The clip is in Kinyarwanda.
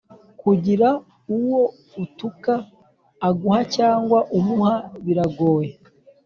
kugira uwo utuka aguha cyangwa umuha biragoye